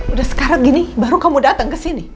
udah sekarang gini baru kamu dateng kesini